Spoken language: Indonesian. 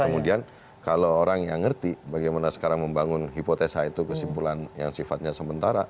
kemudian kalau orang yang ngerti bagaimana sekarang membangun hipotesa itu kesimpulan yang sifatnya sementara